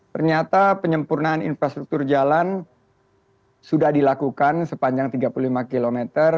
ternyata penyempurnaan infrastruktur jalan sudah dilakukan sepanjang tiga puluh lima km